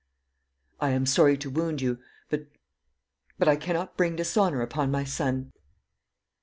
"I am sorry to wound you; but but I cannot bring dishonour upon my son."